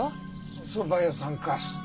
お蕎麦屋さんか。